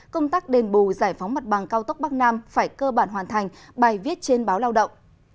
công tác đền bù giải phóng mặt bằng cao tốc bắc nam phải cơ bản hoàn thành bài viết trên báo lao động